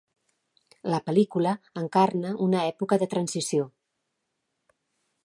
La pel·lícula encarna una època de transició.